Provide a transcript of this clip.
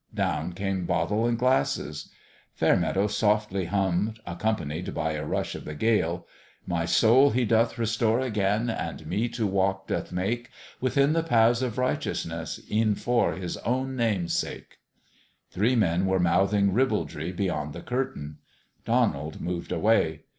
Down came bottle and glasses. Fairmeadow softly hummed accompanied by a rush of the gale " My soul He doth restore again j And me to walk doth make Within the paths of righteousness, Ev'n for His own Name's sake." Three men were mouthing ribaldry beyond the curtain. Donald moved away.